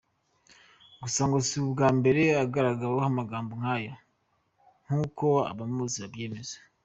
Gusa ngo si ubwa mbere agaragaweho amagambo nk’ayo, nk’uko abamuzi babyemeza.